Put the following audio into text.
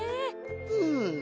うん。